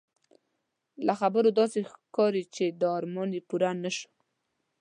له خبرو داسې ښکاري چې دا ارمان یې پوره نه شو.